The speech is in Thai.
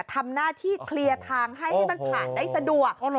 ทำหน้าที่เคลียร์ทางให้ให้มันผ่านได้สะดวก